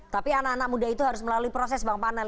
tapi anak anak muda itu harus melalui proses bang panel